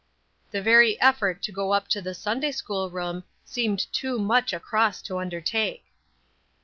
The very effort to go up to the Sunday school room seemed too much a cross to undertake.